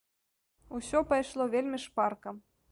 Усё пайшло вельмі шпарка.